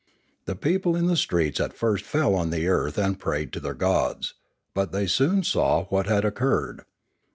The people in the streets at first fell on the earth and prayed to their gods. But they soon saw what had occurred.